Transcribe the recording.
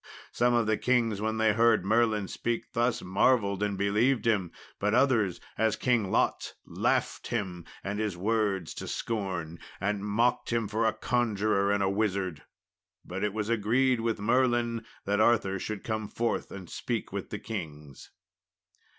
Some of the kings, when they heard Merlin speak thus, marvelled and believed him; but others, as King Lot, laughed him and his words to scorn, and mocked him for a conjurer and wizard. But it was agreed with Merlin that Arthur should come forth and speak with the kings.